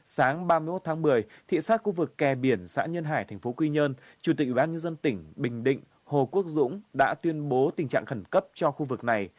sáng ba mươi một tháng một mươi thị sát khu vực kè biển xã nhân hải tp quy nhơn chủ tịch ubnd tỉnh bình định hồ quốc dũng đã tuyên bố tình trạng khẩn cấp cho khu vực này